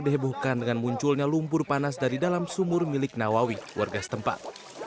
dihebohkan dengan munculnya lumpur panas dari dalam sumur milik nawawi warga setempat